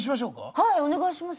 はいお願いします。